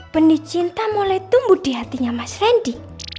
benih cinta mulai tumbuh di hatinya mas randy